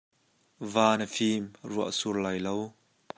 Van a fim, ruah a sur lai lo.